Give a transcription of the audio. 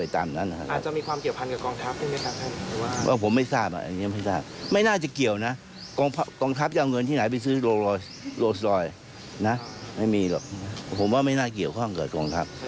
ยังไงก็คือเดี๋ยวต้องผ่านกระบวนการตรวจสอบอีกทีใช่ไหมครับ